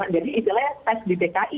jadi itulah pes di dki